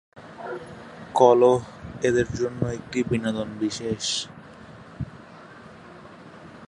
কলহ এদের জন্য একটি বিনোদন বিশেষ।